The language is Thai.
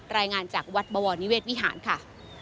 รายงานจากวัดบวรนิเวศวิหารค่ะ